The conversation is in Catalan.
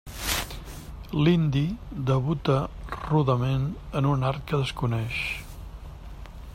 L'indi debuta rudement en un art que desconeix.